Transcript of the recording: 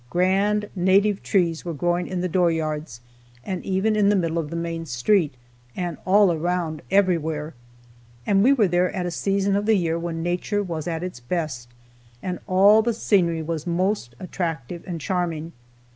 Grand native trees were growing in the door yards, and even in the middle of the main street, and all around everywhere. And we were there at a season of the year when Nature was at its best, and all the scenery was most attractive and charming.